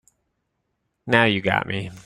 Now you got me.